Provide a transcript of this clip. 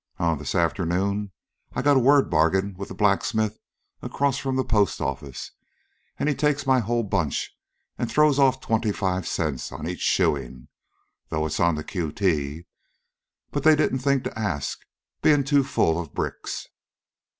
Huh! This afternoon I got a word bargain with the blacksmith across from the post office; an' he takes my whole bunch an' throws off twenty five cents on each shoein', though it's on the Q. T. But they didn't think to ask, bein' too full of bricks."